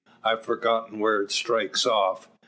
I've forgotten where it strikes off.